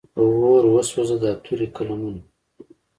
په اور وسوځه دا تورې قلمونه.